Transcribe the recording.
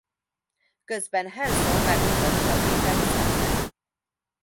Közben Hanson megmutatja a gépet Samnek.